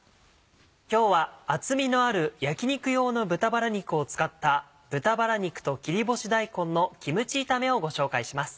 今日は厚みのある焼き肉用の豚バラ肉を使った「豚バラ肉と切り干し大根のキムチ炒め」をご紹介します。